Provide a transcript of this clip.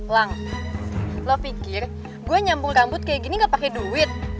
lang lo pikir gua nyambung rambut kayak gini gak pake duit